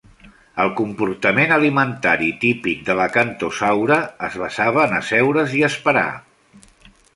El comportament alimentari típic de l'"Acanthosaura" es basava en "asseure's i esperar".